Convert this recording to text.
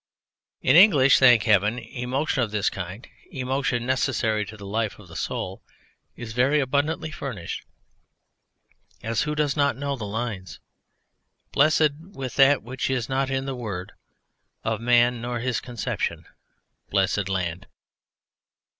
In English, thank Heaven, emotion of this kind, emotion necessary to the life of the soul, is very abundantly furnished. As, who does not know the lines: Blessed with that which is not in the word Of man nor his conception: Blessed Land!